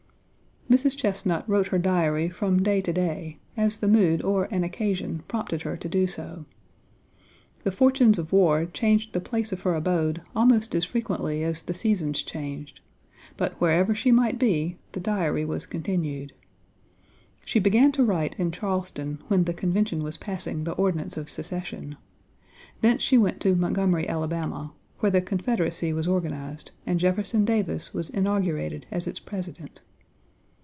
Mrs. Chesnut wrote her Diary from day to day, as the mood or an occasion prompted her to do so. The fortunes of war changed the place of her abode almost as frequently as the seasons changed, but wherever she might be the Diary was continued. She began to write in Charleston when the Convention was passing the Ordinance of Secession. Thence she went to Montgomery, Ala., where the Confederacy was organized and Jefferson Davis was inaugurated as its President.